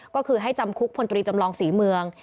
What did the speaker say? ก็คือให้จำคุกพลตรีจำลองศรีเมือง